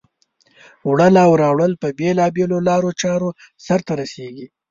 وړل او راوړل په بېلا بېلو لارو چارو سرته رسیږي.